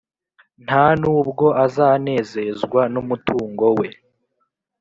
nta n’ubwo azanezezwa n’umutungo we